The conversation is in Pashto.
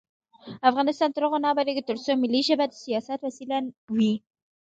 افغانستان تر هغو نه ابادیږي، ترڅو ملي ژبې د سیاست وسیله وي.